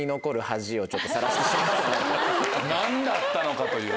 何だったのかというね。